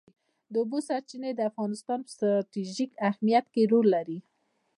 د اوبو سرچینې د افغانستان په ستراتیژیک اهمیت کې رول لري.